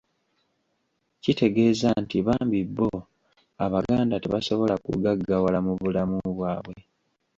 Kitegeeza nti bambi bo Abaganda tebasobola kugaggawala mu bulamu bwabwe